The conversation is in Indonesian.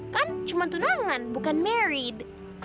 kan cuma tunangan bukan married